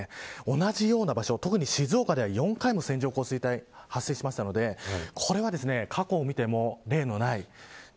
同じような場所、特に静岡では４回も線状降水帯が発生したのでこれは過去を見ても例のない。